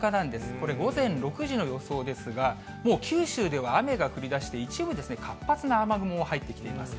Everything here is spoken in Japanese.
これ、午前６時の予想ですが、もう九州では雨が降りだして、一部、活発な雨雲も入ってきています。